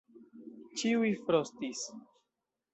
Ĉiuj frostis.